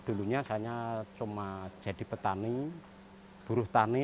dulunya saya cuma jadi petani buruh tani